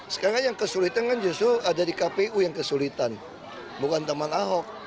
sekarang yang kesulitan kan justru ada di kpu yang kesulitan bukan teman ahok